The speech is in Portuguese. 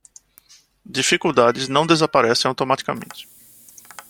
Dificuldades não desaparecem automaticamente